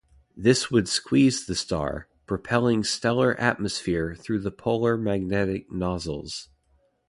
This would "squeeze" the star, propelling stellar atmosphere through the polar magnetic nozzles.